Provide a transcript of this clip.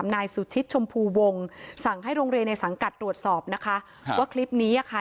นายสุชิตชมพูวงสั่งให้โรงเรียนในสังกัดตรวจสอบนะคะครับว่าคลิปนี้อ่ะค่ะ